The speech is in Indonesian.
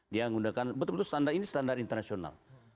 dia menggunakan betul betul standar ini standar internasional